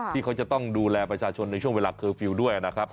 ที่เขาจะต้องดูแลประชาชนในช่วงเวลาเคอร์ฟิลล์ด้วยนะครับ